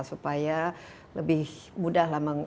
supaya lebih mudah lah